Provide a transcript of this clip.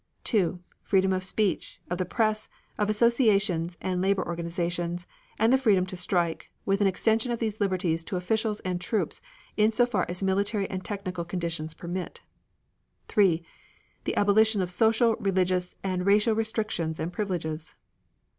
2. Freedom of speech, of the press, of associations and labor organizations, and the freedom to strike; with an extension of these liberties to officials and troops, in so far as military and technical conditions permit. 3. The abolition of social, religious, and racial restrictions and privileges.